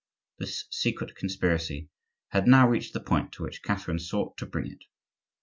This secret conspiracy had now reached the point to which Catherine sought to bring it.